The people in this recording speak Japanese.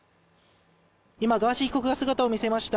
今ガーシー被告が姿を見せました